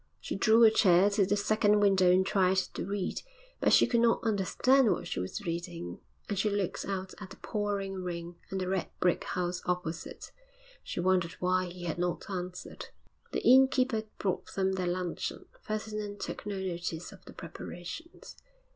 She drew a chair to the second window and tried to read, but she could not understand what she was reading. And she looked out at the pouring rain and the red brick house opposite. She wondered why he had not answered. The innkeeper brought them their luncheon. Ferdinand took no notice of the preparations.